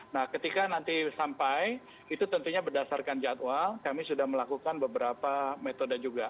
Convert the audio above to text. nah ketika nanti sampai itu tentunya berdasarkan jadwal kami sudah melakukan beberapa metode juga